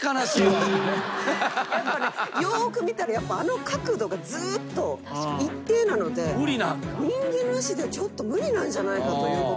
やっぱねよく見たらあの角度がずっと一定なので人間の足ではちょっと無理なんじゃないかと。